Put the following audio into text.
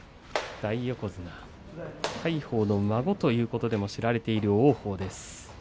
大横綱大鵬の孫ということでも知られている王鵬です。